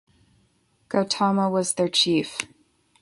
Gautama was their chief.